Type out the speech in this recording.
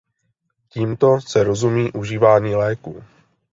Tímto se rozumí užívání léků.